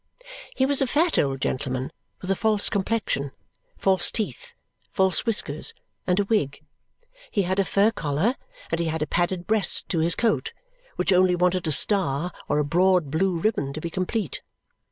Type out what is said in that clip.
He was a fat old gentleman with a false complexion, false teeth, false whiskers, and a wig. He had a fur collar, and he had a padded breast to his coat, which only wanted a star or a broad blue ribbon to be complete.